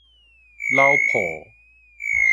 老舖